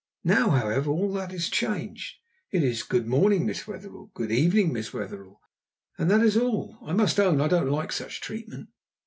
Now, however, all that is changed. It is, 'Good morning, Miss Wetherell,' 'Good evening, Miss Wetherell,' and that is all. I must own I don't like such treatment."